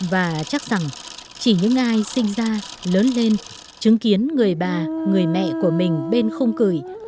và chắc rằng chỉ những ai sinh ra lớn lên chứng kiến người bà người mẹ của mình bên khung cười